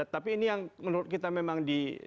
tapi ini yang menurut kita memang di